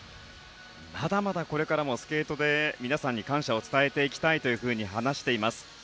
まだまだこれからもスケートで皆さんに感謝を伝えていきたいと話しています。